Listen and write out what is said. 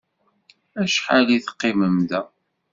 Acḥal ad teqqimem da?